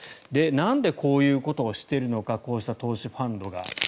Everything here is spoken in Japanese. なんでこういうことをしているのかこうした投資ファンドが。